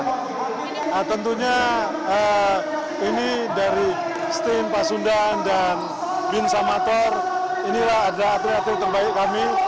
nah tentunya ini dari sten pasundan dan insamator inilah adalah atlet atlet terbaik kami